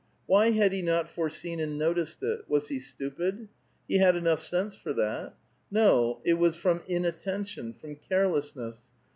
Why had he not foreseen and noticed it? Was he stupid? He had enough sense for that. No ; it was from inattention, from carelessness.